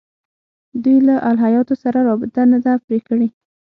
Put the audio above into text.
دوی له الهیاتو سره رابطه نه ده پرې کړې.